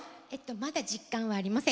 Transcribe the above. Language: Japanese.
まだ実感がありません。